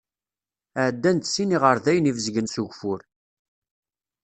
Ɛeddan-d sin iɣerdayen ibezgen s ugeffur.